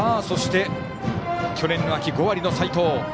そして、去年の秋５割の齋藤。